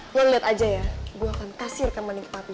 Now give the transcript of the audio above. lo lihat aja ya gue akan kasih rekan mandi ke papi